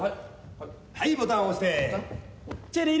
はい、ボタン押して！